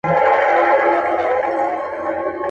کور به وران وي د سرتوري پر اوربل به یې اوُر بل وي.